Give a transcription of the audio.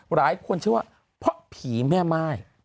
หลายคนชื่อว่าพ็อภีร์แม่ม่าย